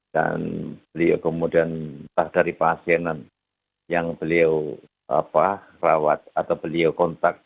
dan beliau kemudian datang dari pasienan yang beliau rawat atau beliau kontak